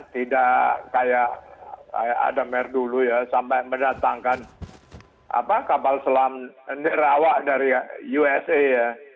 tidak kayak ada mer dulu ya sampai mendatangkan kapal selam nerawak dari usa ya